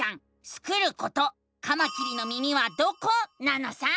スクること「カマキリの耳はどこ？」なのさ！